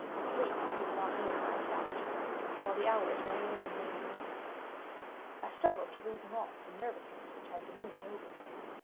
Sleep came not near my couch—while the hours waned and waned away. I struggled to reason off the nervousness which had dominion over me.